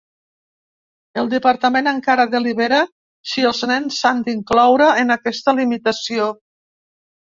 El departament encara delibera si els nens s’han d’incloure en aquesta limitació.